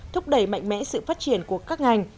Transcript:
thúc đẩy mạnh mẽ sự phát triển của các ngành